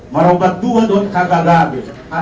merupakan dua dua agar agar